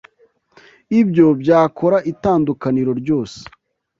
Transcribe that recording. Ibyo byakora itandukaniro ryose.